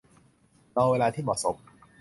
รอเวลาที่เหมาะสม